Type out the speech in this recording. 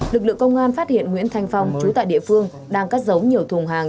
lực lượng công an phát hiện nguyễn thanh phong chú tại địa phương đang cất giấu nhiều thùng hàng